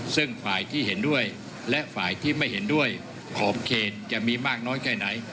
ซึ่งฝ่ายที่เห็นด้วยและฝ่ายที่ไม่เห็นด้วยขอบเขตจะมีมากน้อยแค่ไหน